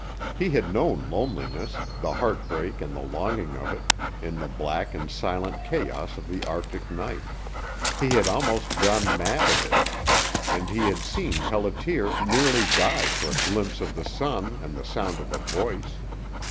He had known loneliness, the heartbreak and the longing of it, in the black and silent chaos of the arctic night; he had almost gone mad of it, and he had seen Pelliter nearly die for a glimpse of the sun and the sound of a voice.